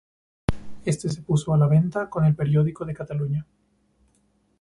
Éste se puso a la venta con El Periódico de Cataluña.